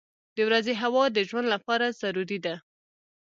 • د ورځې هوا د ژوند لپاره ضروري ده.